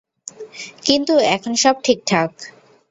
কিন্তু এখন সব ঠিকঠাক।